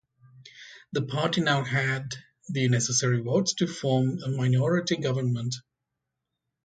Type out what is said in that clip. The party now had the necessary votes to form a minority government.